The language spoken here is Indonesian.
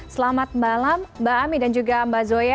selamat malam mbak ami dan juga mbak zoya